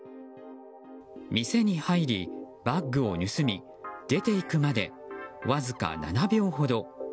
店に入りバッグを盗み出て行くまでわずか７秒ほど。